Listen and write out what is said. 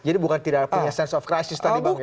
jadi bukan tidak punya sense of crisis tadi bang